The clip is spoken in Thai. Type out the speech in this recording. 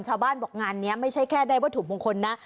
ชาวบ้านบอกงานนี้ไม่ใช่แค่ได้วัตถุมงคลนะ